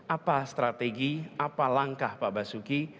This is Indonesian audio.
apa strategi apa langkah pak basuki